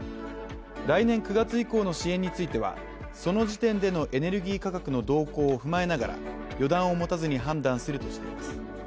来年９月以降の支援についてはその時点でのエネルギー価格の動向を踏まえながら予断を持たずに判断するとしています。